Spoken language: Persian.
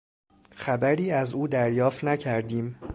خبری از او دریافت نکردیم.